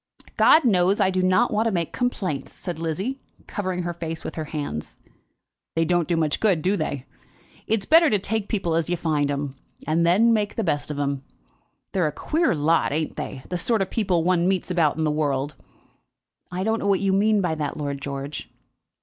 "God knows I do not want to make complaints," said Lizzie, covering her face with her hands. "They don't do much good; do they? It's better to take people as you find 'em, and then make the best of 'em. They're a queer lot; ain't they, the sort of people one meets about in the world?" "I don't know what you mean by that, Lord George."